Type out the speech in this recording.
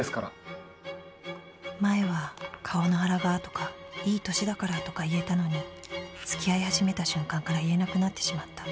「前は『顔のアラが』とか『いい年だから』とか言えたのに、付き合い始めた瞬間から言えなくなってしまった。